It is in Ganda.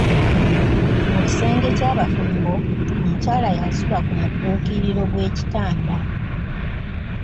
Mu kisenge ky’abafumbo, omukyala y’asula ku mugguukiriro gw’ekitanda.